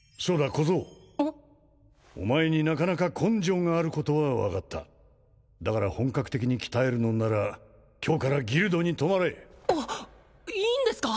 小僧お前になかなか根性があることは分かっただから本格的に鍛えるのなら今日からギルドに泊まれいいんですか？